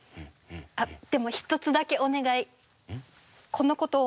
あっでも一つだけお願い！